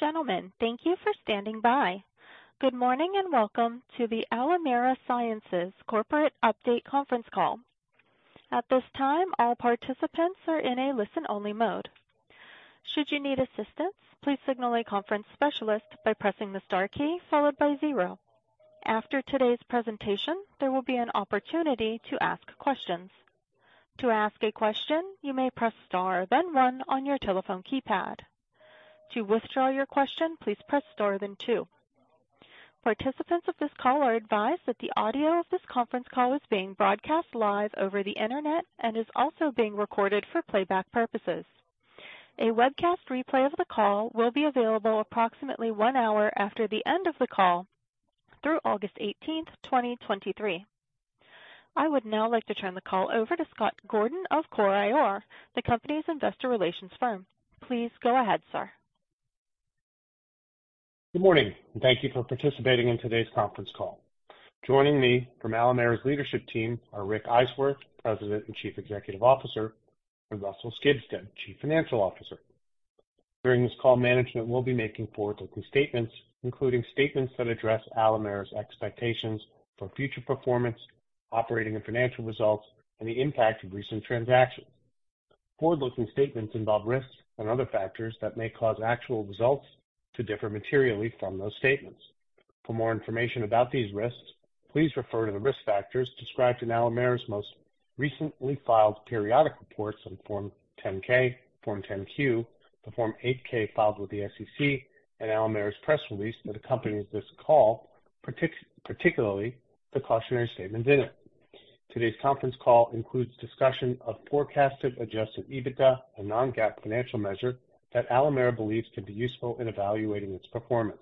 Ladies and gentlemen, thank you for standing by. Good morning, welcome to the Alimera Sciences corporate update conference call. At this time, all participants are in a listen-only mode. Should you need assistance, please signal a conference specialist by pressing the Star key followed by zero. After today's presentation, there will be an opportunity to ask questions. To ask a question, you may press Star then one on your telephone keypad. To withdraw your question, please press Star then two. Participants of this call are advised that the audio of this conference call is being broadcast live over the Internet and is also being recorded for playback purposes. A webcast replay of the call will be available approximately 1 hour after the end of the call through August 18th, 2023. I would now like to turn the call over to Scott Gordon of CORE IR, the company's investor relations firm. Please go ahead, sir. Good morning. Thank you for participating in today's conference call. Joining me from Alimera's leadership team are Rick Eiswirth, President and Chief Executive Officer, and Russell Skibsted, Chief Financial Officer. During this call, management will be making forward-looking statements, including statements that address Alimera's expectations for future performance, operating and financial results, and the impact of recent transactions. Forward-looking statements involve risks and other factors that may cause actual results to differ materially from those statements. For more information about these risks, please refer to the risk factors described in Alimera's most recently filed periodic reports on Form 10-K, Form 10-Q, the Form 8-K filed with the SEC, and Alimera's press release that accompanies this call, particularly the cautionary statements in it. Today's conference call includes discussion of forecasted adjusted EBITDA, a non-GAAP financial measure that Alimera believes can be useful in evaluating its performance.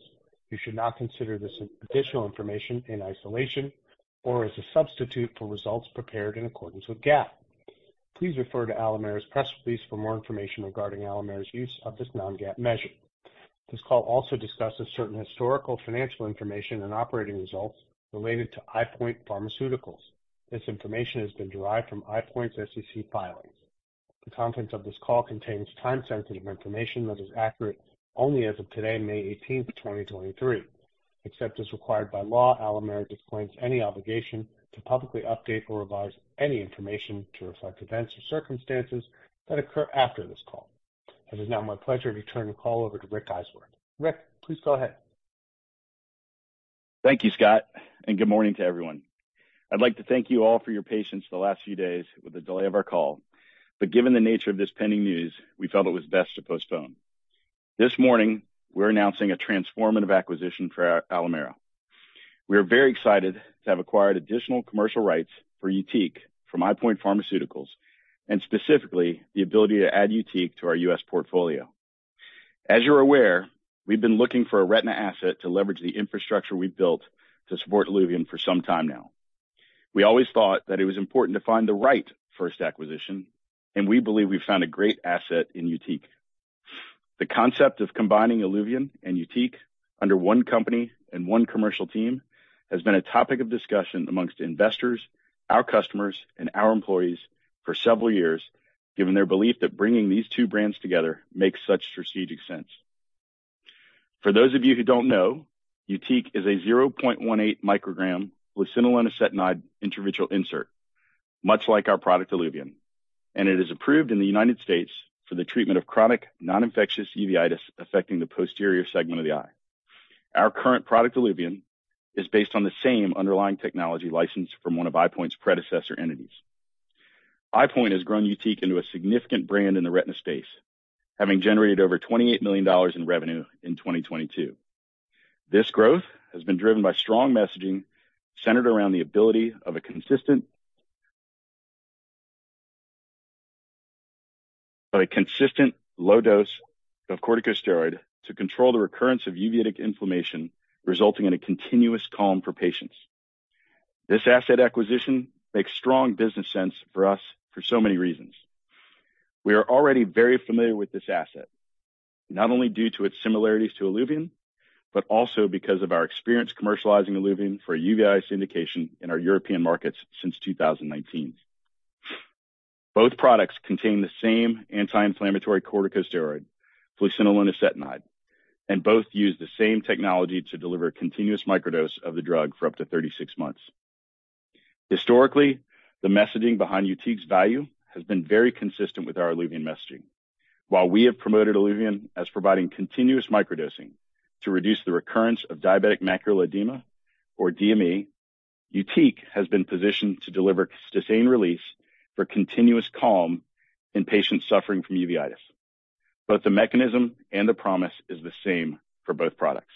You should not consider this additional information in isolation or as a substitute for results prepared in accordance with GAAP. Please refer to Alimera's press release for more information regarding Alimera's use of this non-GAAP measure. This call also discusses certain historical financial information and operating results related to EyePoint Pharmaceuticals. This information has been derived from EyePoint's SEC filings. The contents of this call contains time-sensitive information that is accurate only as of today, May 18th, 2023. Except as required by law, Alimera disclaims any obligation to publicly update or revise any information to reflect events or circumstances that occur after this call. It is now my pleasure to turn the call over to Rick Eiswirth. Rick, please go ahead. Thank you, Scott. Good morning to everyone. I'd like to thank you all for your patience the last few days with the delay of our call. Given the nature of this pending news, we felt it was best to postpone. This morning, we're announcing a transformative acquisition for Alimera. We are very excited to have acquired additional commercial rights for YUTIQ from EyePoint Pharmaceuticals and specifically the ability to add YUTIQ to our U.S. portfolio. As you're aware, we've been looking for a retina asset to leverage the infrastructure we've built to support ILUVIEN for some time now. We always thought that it was important to find the right first acquisition. We believe we've found a great asset in YUTIQ. The concept of combining ILUVIEN and YUTIQ under one company and one commercial team has been a topic of discussion amongst investors, our customers, and our employees for several years, given their belief that bringing these two brands together makes such strategic sense. For those of you who don't know, YUTIQ is a 0.18 microgram fluocinolone acetonide intravitreal insert, much like our product ILUVIEN. It is approved in the United States for the treatment of chronic non-infectious uveitis affecting the posterior segment of the eye. Our current product, ILUVIEN, is based on the same underlying technology licensed from one of EyePoint's predecessor entities. EyePoint has grown YUTIQ into a significant brand in the retina space, having generated over $28 million in revenue in 2022. This growth has been driven by strong messaging centered around the ability of a consistent low dose of corticosteroid to control the recurrence of uveitic inflammation, resulting in a continuous calm for patients. This asset acquisition makes strong business sense for us for so many reasons. We are already very familiar with this asset, not only due to its similarities to ILUVIEN, but also because of our experience commercializing ILUVIEN for Uveitis indication in our European markets since 2019. Both products contain the same anti-inflammatory corticosteroid, fluocinolone acetonide, and both use the same technology to deliver a continuous microdose of the drug for up to 36 months. Historically, the messaging behind YUTIQ's value has been very consistent with our ILUVIEN messaging. While we have promoted ILUVIEN as providing continuous microdosing to reduce the recurrence of diabetic macular edema or DME, YUTIQ has been positioned to deliver sustained release for continuous calm in patients suffering from uveitis. Both the mechanism and the promise is the same for both products.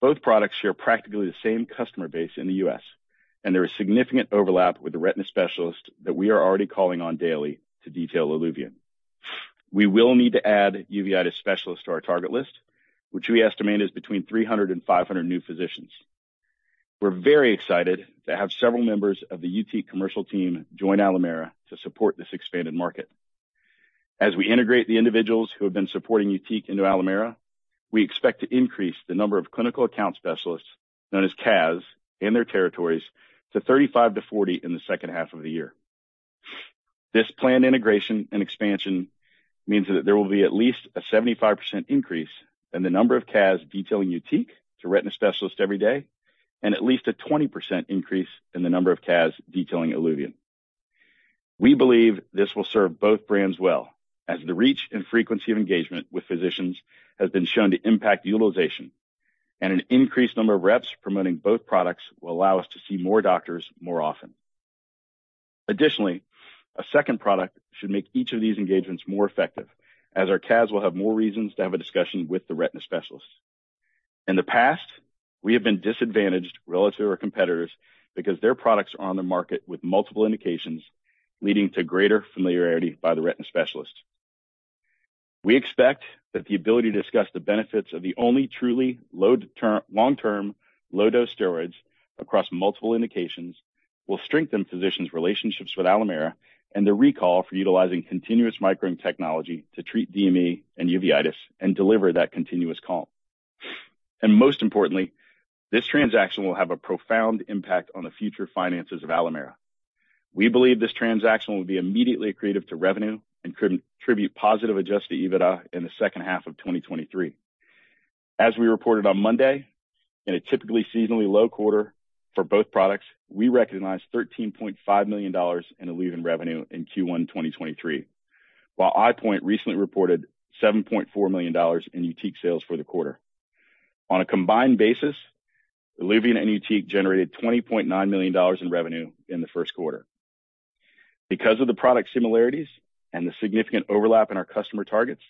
Both products share practically the same customer base in the U.S., and there is significant overlap with the retina specialists that we are already calling on daily to detail ILUVIEN. We will need to add uveitis specialists to our target list, which we estimate is between 300 and 500 new physicians. We're very excited to have several members of the YUTIQ commercial team join Alimera to support this expanded market. As we integrate the individuals who have been supporting YUTIQ into Alimera, we expect to increase the number of Clinical Account Specialists, known as CAS, in their territories to 35-40 in the second half of the year. This planned integration and expansion means that there will be at least a 75% increase in the number of CAS detailing YUTIQ to retina specialists every day, and at least a 20% increase in the number of CAS detailing ILUVIEN. We believe this will serve both brands well, as the reach and frequency of engagement with physicians has been shown to impact utilization. An increased number of reps promoting both products will allow us to see more doctors more often. A second product should make each of these engagements more effective, as our CAS will have more reasons to have a discussion with the retina specialists. In the past, we have been disadvantaged relative to our competitors because their products are on the market with multiple indications, leading to greater familiarity by the retina specialists. We expect that the ability to discuss the benefits of the only truly long-term low-dose steroids across multiple indications will strengthen physicians' relationships with Alimera and the recall for utilizing continuous micron technology to treat DME and uveitis and deliver that continuous calm. Most importantly, this transaction will have a profound impact on the future finances of Alimera. We believe this transaction will be immediately accretive to revenue and contribute positive adjusted EBITDA in the second half of 2023. As we reported on Monday, in a typically seasonally low quarter for both products, we recognized $13.5 million in ILUVIEN revenue in Q1 2023, while EyePoint recently reported $7.4 million in YUTIQ sales for the quarter. On a combined basis, ILUVIEN and YUTIQ generated $20.9 million in revenue in the first quarter. Because of the product similarities and the significant overlap in our customer targets,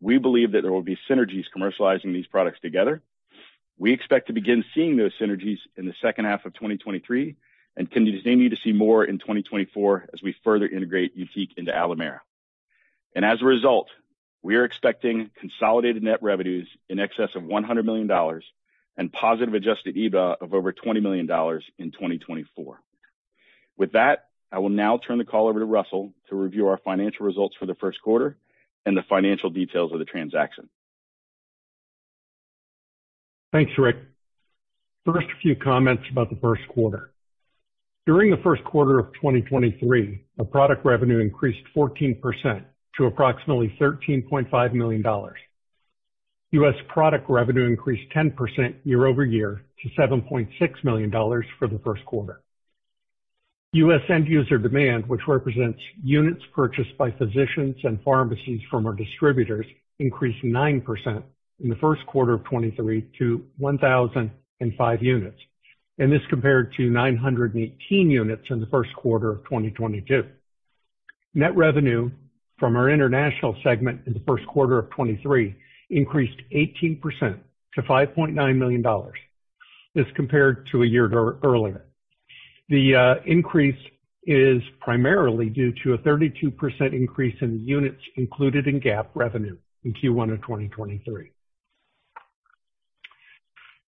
we believe that there will be synergies commercializing these products together. We expect to begin seeing those synergies in the second half of 2023 and continue to see more in 2024 as we further integrate YUTIQ into Alimera. As a result, we are expecting consolidated net revenues in excess of $100 million and positive adjusted EBITDA of over $20 million in 2024. With that, I will now turn the call over to Russell to review our financial results for the first quarter and the financial details of the transaction. Thanks, Rick. A few comments about the first quarter. During the first quarter of 2023, our product revenue increased 14% to approximately $13.5 million. U.S. product revenue increased 10% year-over-year to $7.6 million for the first quarter. U.S. end user demand, which represents units purchased by physicians and pharmacies from our distributors, increased 9% in the first quarter of 2023 to 1,005 units. This compared to 918 units in the first quarter of 2022. Net revenue from our international segment in the first quarter of 2023 increased 18% to $5.9 million. This compared to a year earlier. The increase is primarily due to a 32% increase in units included in GAAP revenue in Q1 of 2023.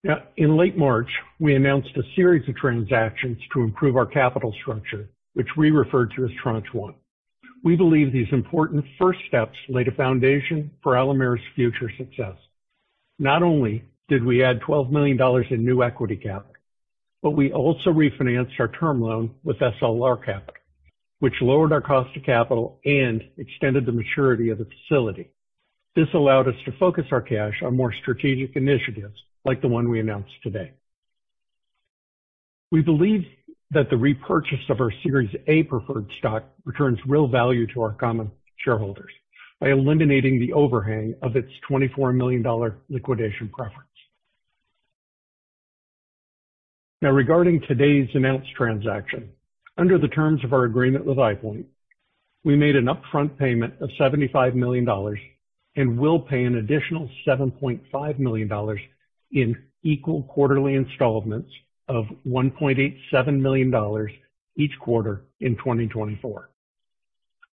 Now in late March, we announced a series of transactions to improve our capital structure, which we referred to as Tranche 1. We believe these important first steps laid a foundation for Alimera's future success. Not only did we add $12 million in new equity capital, but we also refinanced our term loan with SLR Capital, which lowered our cost of capital and extended the maturity of the facility. This allowed us to focus our cash on more strategic initiatives like the one we announced today. We believe that the repurchase of our Series A preferred stock returns real value to our common shareholders by eliminating the overhang of its $24 million liquidation preference. Regarding today's announced transaction, under the terms of our agreement with EyePoint, we made an upfront payment of $75 million and will pay an additional $7.5 million in equal quarterly installments of $1.87 million each quarter in 2024.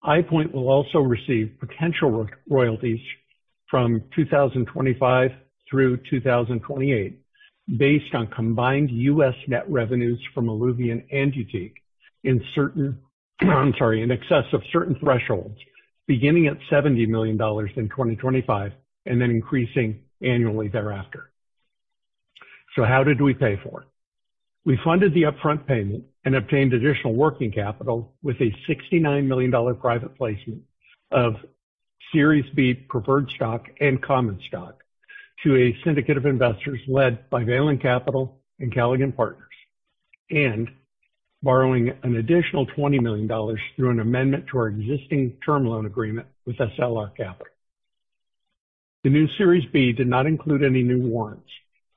EyePoint will also receive potential royalties from 2025 through 2028 based on combined U.S. net revenues from ILUVIEN and YUTIQ in excess of certain thresholds, beginning at $70 million in 2025 and then increasing annually thereafter. How did we pay for it? We funded the upfront payment and obtained additional working capital with a $69 million private placement of Series B preferred stock and common stock to a syndicate of investors led by Velan Capital and Caligan Partners. Borrowing an additional $20 million through an amendment to our existing term loan agreement with SLR Capital Partners. The new Series B did not include any new warrants.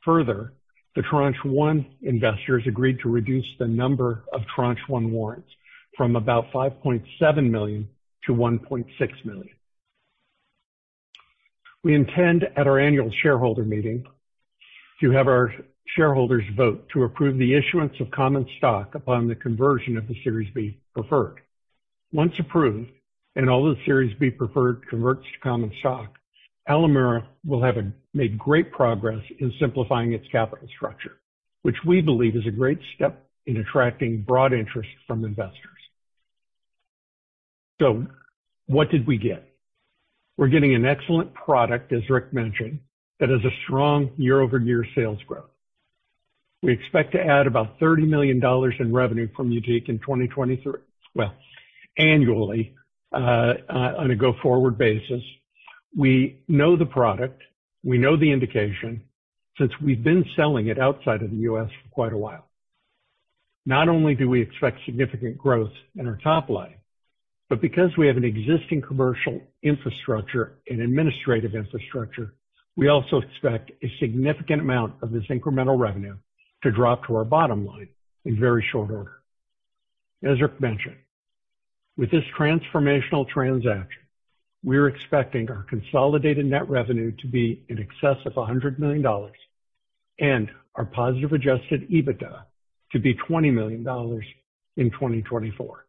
Further, the Tranche 1 investors agreed to reduce the number of Tranche 1 warrants from about 5.7 million-1.6 million. We intend at our annual shareholder meeting to have our shareholders vote to approve the issuance of common stock upon the conversion of the Series B preferred. Once approved, and all the Series B preferred converts to common stock, Alimera will have made great progress in simplifying its capital structure, which we believe is a great step in attracting broad interest from investors. What did we get? We're getting an excellent product, as Rick mentioned, that has a strong year-over-year sales growth. We expect to add about $30 million in revenue from YUTIQ well, annually, on a go-forward basis. We know the product, we know the indication, since we've been selling it outside of the U.S. for quite a while. Not only do we expect significant growth in our top line, but because we have an existing commercial infrastructure and administrative infrastructure, we also expect a significant amount of this incremental revenue to drop to our bottom line in very short order. As Rick mentioned, with this transformational transaction, we're expecting our consolidated net revenue to be in excess of $100 million and our positive adjusted EBITDA to be $20 million in 2024.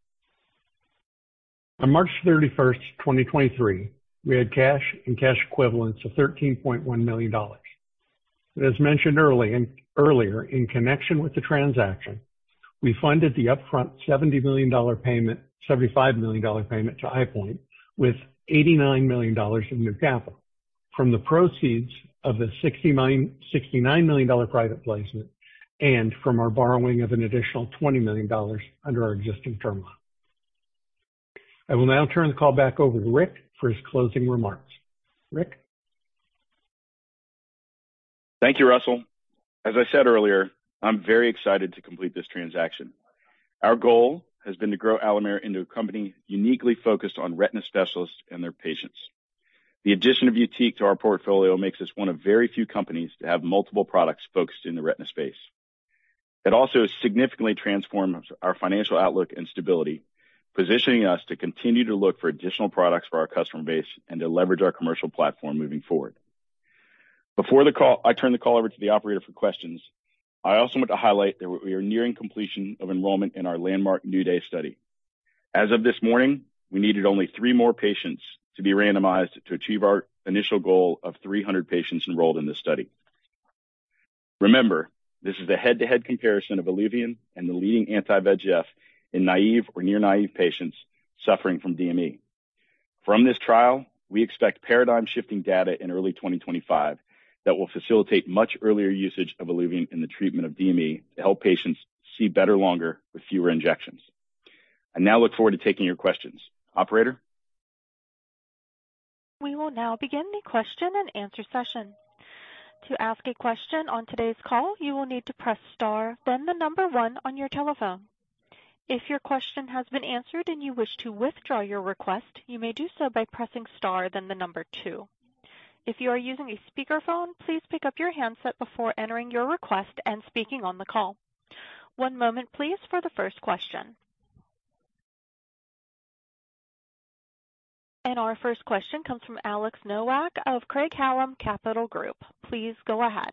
On March 31st, 2023, we had cash and cash equivalents of $13.1 million. As mentioned earlier in connection with the transaction, we funded the upfront $75 million payment to EyePoint with $89 million in new capital from the proceeds of the $69 million private placement and from our borrowing of an additional $20 million under our existing term loan. I will now turn the call back over to Rick for his closing remarks. Rick. Thank you, Russell. As I said earlier, I'm very excited to complete this transaction. Our goal has been to grow Alimera into a company uniquely focused on retina specialists and their patients. The addition of YUTIQ to our portfolio makes us one of very few companies to have multiple products focused in the retina space. It also has significantly transformed our financial outlook and stability, positioning us to continue to look for additional products for our customer base and to leverage our commercial platform moving forward. I turn the call over to the operator for questions, I also want to highlight that we are nearing completion of enrollment in our landmark NEW DAY study. As of this morning, we needed only three more patients to be randomized to achieve our initial goal of 300 patients enrolled in this study. Remember, this is a head-to-head comparison of ILUVIEN and the leading anti-VEGF in naive or near-naive patients suffering from DME. From this trial, we expect paradigm-shifting data in early 2025 that will facilitate much earlier usage of ILUVIEN in the treatment of DME to help patients see better longer with fewer injections. I now look forward to taking your questions. Operator. We will now begin the question-and-answer session. To ask a question on today's call, you will need to press star, then the number 1 on your telephone. If your question has been answered and you wish to withdraw your request, you may do so by pressing star, then the number two. If you are using a speakerphone, please pick up your handset before entering your request and speaking on the call. One moment please for the first question. Our first question comes from Alexander Nowak of Craig-Hallum Capital Group. Please go ahead.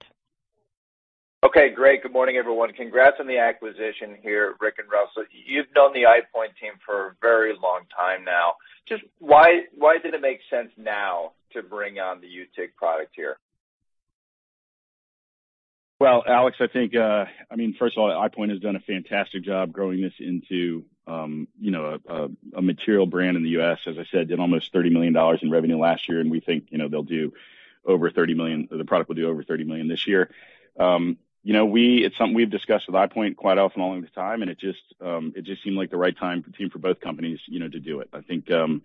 Great. Good morning, everyone. Congrats on the acquisition here, Rick and Russell. You've known the EyePoint team for a very long time now. Just why did it make sense now to bring on the YUTIQ product here? Well, Alex, I mean, first of all, EyePoint has done a fantastic job growing this into, you know, a material brand in the U.S. As I said, did almost $30 million in revenue last year, and we think, you know, the product will do over $30 million this year. You know, it's something we've discussed with EyePoint quite often along the time, and it just seemed like the right time for team for both companies, you know, to do it. I think, you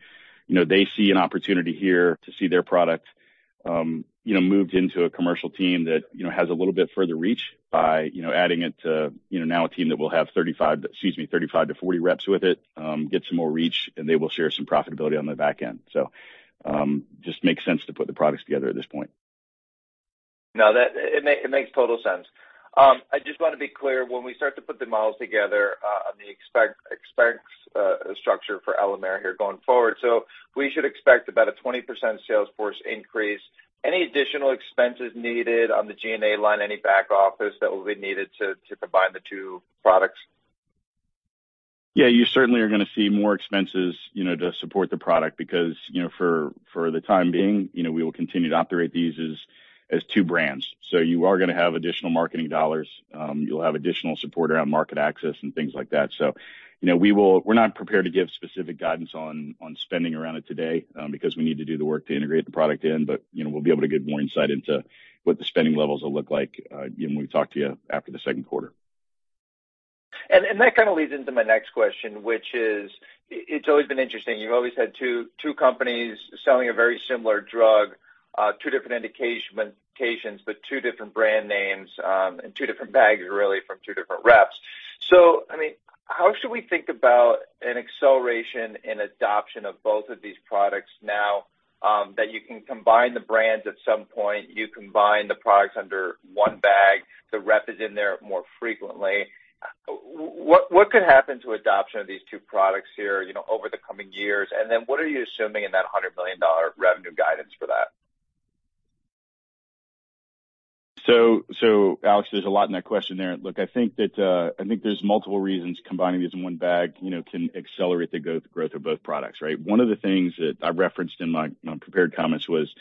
know, they see an opportunity here to see their product, you know, moved into a commercial team that, you know, has a little bit further reach by, you know, adding it to, you know, now a team that will have 35-40 reps with it, get some more reach, and they will share some profitability on the back end. Just makes sense to put the products together at this point. No, it makes total sense. I just want to be clear, when we start to put the models together, on the expense structure for Alimera here going forward. We should expect about a 20% sales force increase. Any additional expenses needed on the G&A line, any back office that will be needed to combine the two products? Yeah, you certainly are going to see more expenses, you know, to support the product because, you know, for the time being, you know, we will continue to operate these as two brands. You are going to have additional marketing dollars. You'll have additional support around market access and things like that. You know, we're not prepared to give specific guidance on spending around it today because we need to do the work to integrate the product in. You know, we'll be able to give more insight into what the spending levels will look like, you know, when we talk to you after the second quarter. That kind of leads into my next question, which is, it's always been interesting. You've always had two companies selling a very similar drug, two different indications, two different brand names, two different bags really from two different reps. I mean, how should we think about an acceleration in adoption of both of these products now, that you can combine the brands at some point, you combine the products under one bag, the rep is in there more frequently. What could happen to adoption of these two products here, you know, over the coming years? What are you assuming in that $100 million revenue guidance for that? Alex, there's a lot in that question there. Look, I think that, I think there's multiple reasons combining these in one bag, you know, can accelerate the growth of both products, right? One of the things that I referenced in my prepared comments was.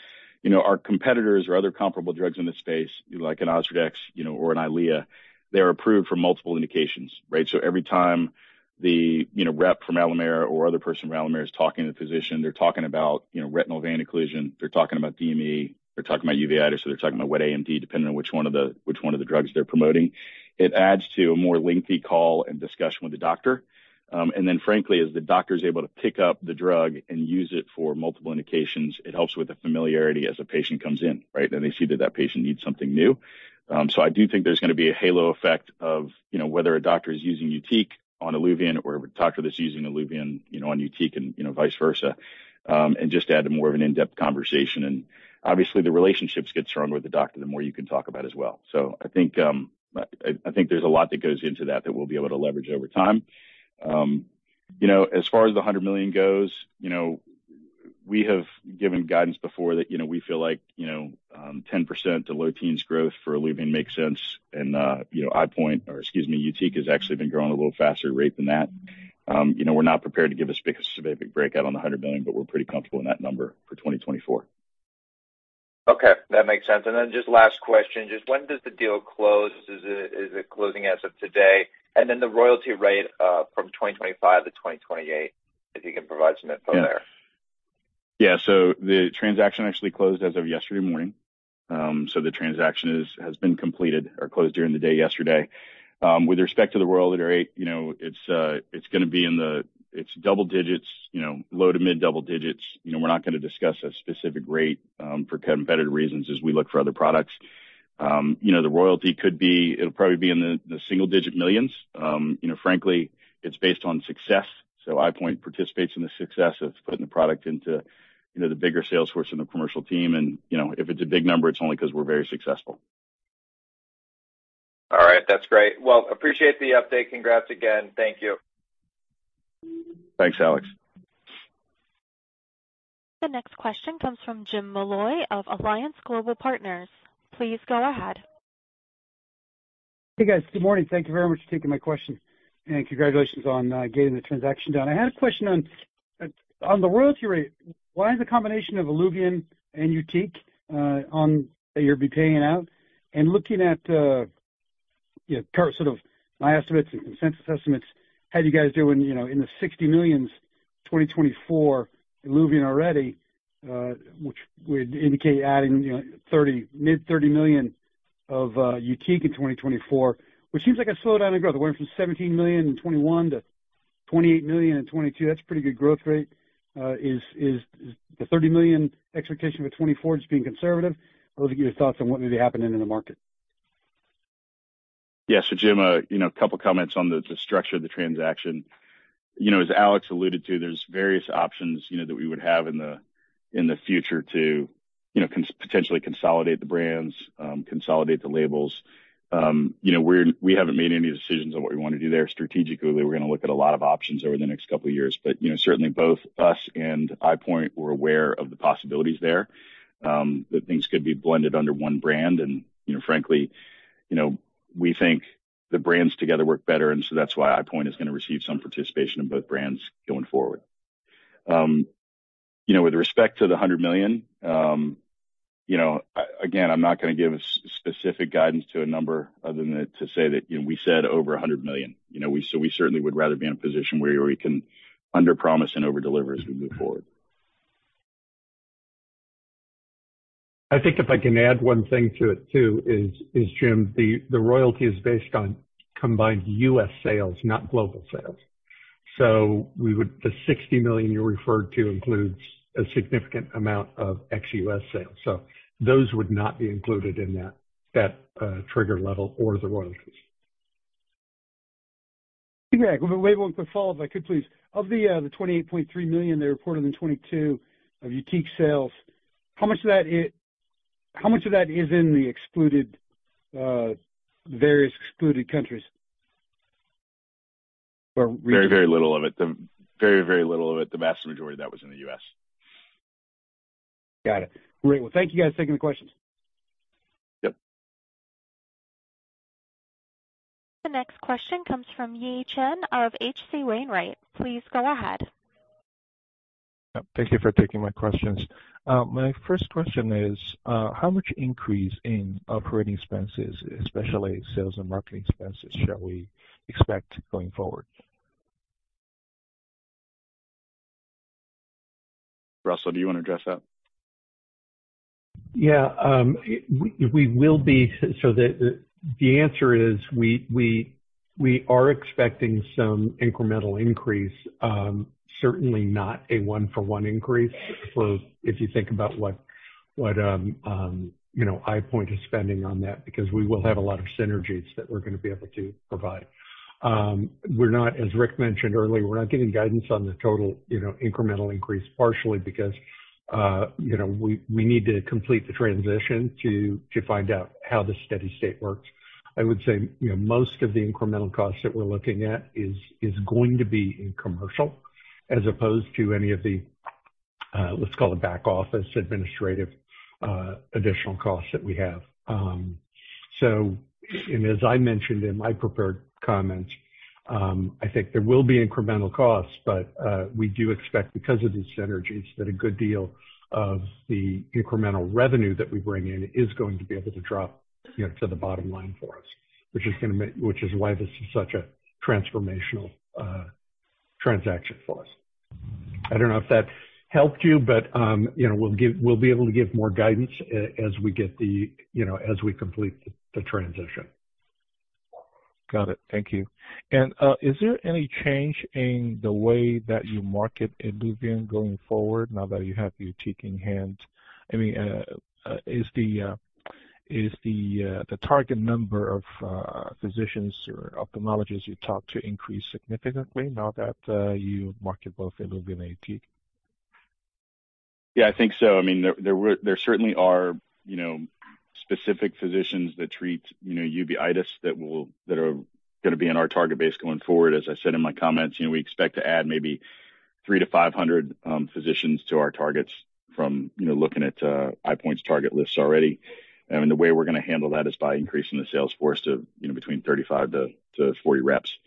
You know, our competitors or other comparable drugs in the space, like an OZURDEX, you know, or an EYLEA, they are approved for multiple indications, right? Every time the, you know, rep from Alimera or other person from Alimera is talking to the physician, they're talking about, you know, retinal vein occlusion, they're talking about DME, they're talking about uveitis, or they're talking about wet AMD, depending on which one of the drugs they're promoting. It adds to a more lengthy call and discussion with the doctor. Frankly, as the doctor is able to pick up the drug and use it for multiple indications, it helps with the familiarity as a patient comes in, right? They see that that patient needs something new. I do think there's gonna be a halo effect of, you know, whether a doctor is using YUTIQ on ILUVIEN or a doctor that's using ILUVIEN, you know, on YUTIQ and, you know, vice versa. Just to add to more of an in-depth conversation. Obviously the relationships get stronger with the doctor the more you can talk about as well. I think there's a lot that goes into that we'll be able to leverage over time. you know, as far as the $100 million goes, you know, we have given guidance before that, you know, we feel like, you know, 10% to low teens growth for ILUVIEN makes sense, and, you know, EyePoint or excuse me, YUTIQ has actually been growing a little faster rate than that. you know, we're not prepared to give a specific breakout on the $100 million, but we're pretty comfortable in that number for 2024. Okay, that makes sense. Just last question, just when does the deal close? Is it closing as of today? The royalty rate from 2025 to 2028, if you can provide some info there? The transaction actually closed as of yesterday morning. The transaction has been completed or closed during the day yesterday. With respect to the royalty rate, you know, it's double digits, you know, low to mid double digits. You know, we're not gonna discuss a specific rate for competitive reasons as we look for other products. You know, it'll probably be in the single digit millions. You know, frankly, it's based on success. EyePoint participates in the success of putting the product into, you know, the bigger sales force and the commercial team and, you know, if it's a big number, it's only 'cause we're very successful. All right. That's great. Well, appreciate the update. Congrats again. Thank you. Thanks, Alex. The next question comes from James Molloy of Alliance Global Partners. Please go ahead. Hey, guys. Good morning. Thank you very much for taking my question, and congratulations on getting the transaction done. I had a question on the royalty rate. Why the combination of ILUVIEN and YUTIQ on that you'll be paying out? Looking at, you know, current sort of my estimates and consensus estimates, had you guys doing, you know, in the $60 million 2024 ILUVIEN already, which would indicate adding, you know, $30 million, mid thirty million of YUTIQ in 2024, which seems like a slowdown in growth. It went from $17 million in 2021 to $28 million in 2022. That's pretty good growth rate. Is the $30 million expectation for 2024 just being conservative? I'll let you give your thoughts on what may be happening in the market. Yeah. Jim, you know, a couple of comments on the structure of the transaction. You know, as Alex alluded to, there's various options, you know, that we would have in the, in the future to, you know, potentially consolidate the brands, consolidate the labels. You know, we haven't made any decisions on what we wanna do there strategically. We're gonna look at a lot of options over the next couple of years. You know, certainly both us and EyePoint were aware of the possibilities there, that things could be blended under one brand and, you know, frankly, you know, we think the brands together work better, that's why EyePoint is gonna receive some participation in both brands going forward. You know, with respect to the $100 million, you know, again, I'm not gonna give specific guidance to a number other than to say that, you know, we said over $100 million. You know, so we certainly would rather be in a position where we can underpromise and overdeliver as we move forward. I think if I can add one thing to it too is Jim, the royalty is based on combined U.S. sales, not global sales. The $60 million you referred to includes a significant amount of ex-U.S. sales. Those would not be included in that trigger level or the royalties. Okay. Well, wait, one quick follow-up if I could please. Of the $28.3 million they reported in 2022 of YUTIQ sales, how much of that is in the excluded, various excluded countries? Very, very little of it. The vast majority of that was in the U.S. Got it. Great. Thank you, guys. Thank you for the questions. Yep. The next question comes from Yi Chen of H.C. Wainwright. Please go ahead. Thank you for taking my questions. My first question is, how much increase in operating expenses, especially sales and marketing expenses, shall we expect going forward? Russell, do you wanna address that? Yeah. The answer is we are expecting some incremental increase, certainly not a one-for-one increase. If you think about what, you know, EyePoint is spending on that because we will have a lot of synergies that we're gonna be able to provide. We're not, as Rick mentioned earlier, we're not giving guidance on the total, you know, incremental increase partially because, you know, we need to complete the transition to find out how the steady state works. I would say, you know, most of the incremental costs that we're looking at is going to be in commercial as opposed to any of the, let's call it back office administrative, Additional costs that we have. As I mentioned in my prepared comments, I think there will be incremental costs, we do expect because of these synergies that a good deal of the incremental revenue that we bring in is going to be able to drop, you know, to the bottom line for us, which is gonna make which is why this is such a transformational transaction for us. I don't know if that helped you know, we'll be able to give more guidance as we get the, you know, as we complete the transition. Got it. Thank you. Is there any change in the way that you market ILUVIEN going forward now that you have YUTIQ in hand? I mean, is the target number of physicians or ophthalmologists you talk to increase significantly now that you market both ILUVIEN and YUTIQ? Yeah, I think so. I mean, there certainly are, you know, specific physicians that treat, you know, uveitis that will, that are going to be in our target base going forward. As I said in my comments, you know, we expect to add maybe 300-500 physicians to our targets from, you know, looking at EyePoint's target lists already. The way we're going to handle that is by increasing the sales force to, you know, between 35-40 reps.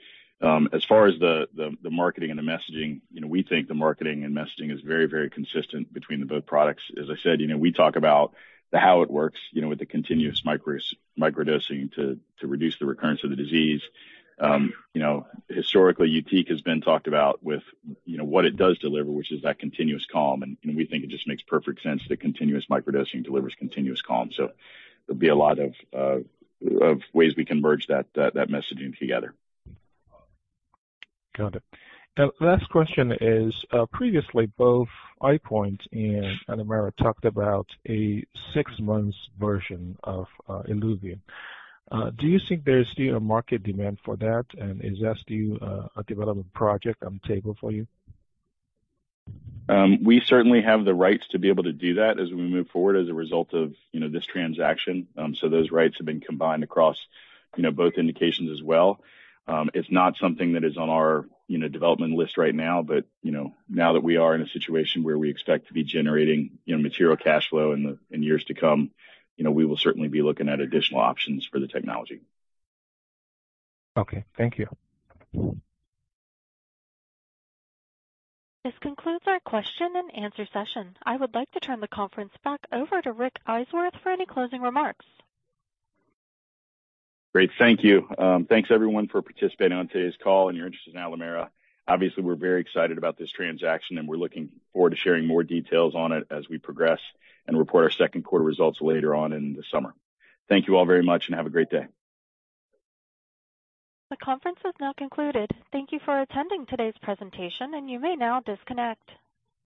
As far as the marketing and the messaging, you know, we think the marketing and messaging is very, very consistent between the both products. As I said, you know, we talk about the how it works, you know, with the continuous microdosing to reduce the recurrence of the disease. You know, historically, YUTIQ has been talked about with, you know, what it does deliver, which is that continuous calm. You know, we think it just makes perfect sense that continuous microdosing delivers continuous calm. There'll be a lot of ways we can merge that, that messaging together. Got it. Last question is, previously both EyePoint and Alimera talked about a six months version of, ILUVIEN. Do you think there's still a market demand for that? Is that still, a development project on the table for you? We certainly have the rights to be able to do that as we move forward as a result of, you know, this transaction. Those rights have been combined across, you know, both indications as well. It's not something that is on our, you know, development list right now, but, you know, now that we are in a situation where we expect to be generating, you know, material cash flow in years to come, you know, we will certainly be looking at additional options for the technology. Okay. Thank you. This concludes our question and answer session. I would like to turn the conference back over to Rick Eiswirth for any closing remarks. Great. Thank you. Thanks everyone for participating on today's call and your interest in Alimera. Obviously, we're very excited about this transaction. We're looking forward to sharing more details on it as we progress and report our second quarter results later on in the summer. Thank you all very much and have a great day. The conference has now concluded. Thank you for attending today's presentation, and you may now disconnect.